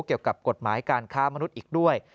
เกี่ยวกับกฎหมายการค้ามนุษย์อีกด้วย